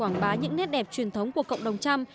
quảng bá những nét đẹp truyền thống của cộng đồng trăm